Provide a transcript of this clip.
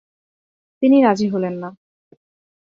তিনি রাজি হলেন না।